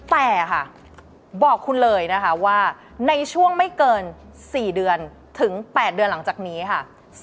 แต่ค่ะบอกคุณเลยนะคะว่าในช่วงไม่เกิน๔เดือนถึง๘เดือนหลังจากนี้ค่ะ